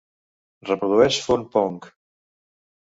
Reprodueix fun-punk.